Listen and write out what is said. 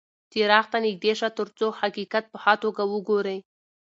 څراغ ته نږدې شه ترڅو حقیقت په ښه توګه وګورې.